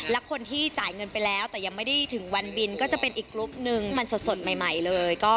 และคนที่จ่ายเงินไปแล้วแต่ยังไม่ได้ถึงวันบินก็จะเป็นอีกกรุ๊ปนึงมันสดใหม่เลย